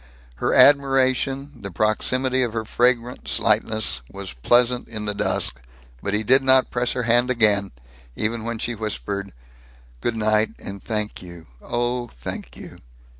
Her admiration, the proximity of her fragrant slightness, was pleasant in the dusk, but he did not press her hand again, even when she whispered, "Good night, and thank you oh, thank you."